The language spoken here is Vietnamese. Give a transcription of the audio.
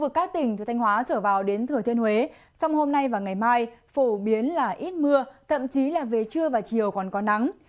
các tỉnh từ thanh hóa trở vào đến thừa thiên huế trong hôm nay và ngày mai phổ biến là ít mưa thậm chí là về trưa và chiều còn có nắng